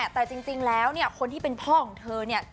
แต่จริงแล้วเนี่ยคนที่เป็นพ่อของเธอเนี่ย